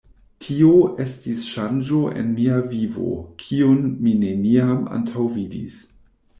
Tio estis ŝanĝo en mia vivo, kiun mi neniam antaŭvidis.